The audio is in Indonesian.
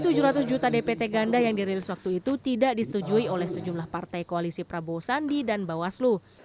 tujuh ratus juta dpt ganda yang dirilis waktu itu tidak disetujui oleh sejumlah partai koalisi prabowo sandi dan bawaslu